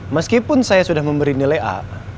meskipun saya sudah memberi nilai a